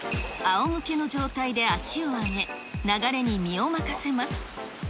あおむけの状態で足を上げ、流れに身を任せます。